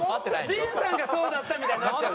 陣さんがそうだったみたいになっちゃう。